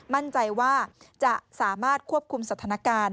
มั่นใจว่าจะสามารถควบคุมสถานการณ์